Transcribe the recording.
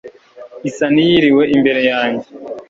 Isa niyiriwe imbere yanjye